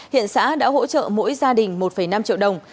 hiện xã đã hỗ trợ mỗi gia đình một năm triệu đồng